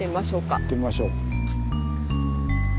行ってみましょう。